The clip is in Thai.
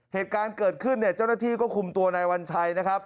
เหตุการณ์เกิดขึ้นเจ้าหน้าที่ก็คุมตัวนายวัลชัย